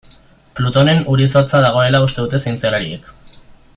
Plutonen ur-izotza dagoela uste dute zientzialariek.